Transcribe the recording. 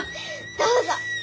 どうぞ。